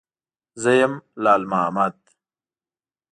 _زه يم، لال مامد.